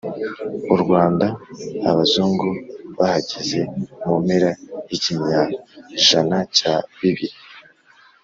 U Rwanda Abazungu bahageze mu mpera y'ikinyajana cya bibiri,